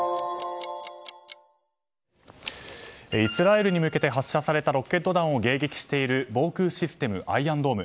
イスラエルに向けて発射されたロケット弾を迎撃している防空システム、アイアンドーム。